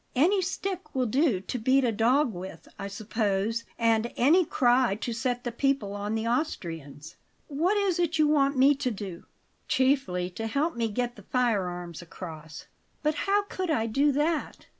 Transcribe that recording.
Any stick will do to beat a dog with, I suppose, and any cry to set the people on the Austrians." "What is it you want me to do?" "Chiefly to help me get the firearms across." "But how could I do that?"